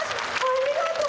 ありがとう！